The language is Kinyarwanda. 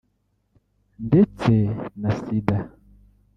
ndetse na Sida